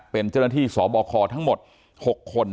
เป็นเจ้าหน้าที่สบคทั้งหมด๖คน